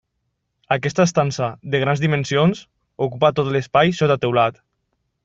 Aquesta estança, de grans dimensions, ocupa tot l'espai, sota teulat.